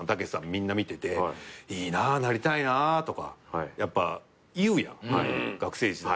みんな見てていいななりたいなとかやっぱ言うやん学生時代。